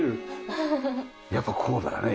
やっぱこうだよね。